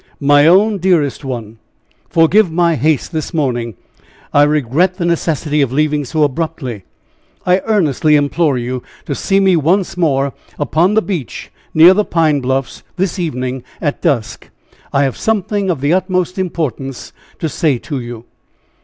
"My own dearest one, forgive my haste this morning. I regret the necessity of leaving so abruptly. I earnestly implore you to see me once more upon the beach, near the Pine Bluffs, this evening at dusk. I have something of the utmost importance to say to you."